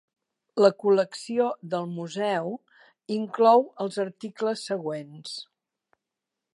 La col·lecció del museu inclou els articles següents.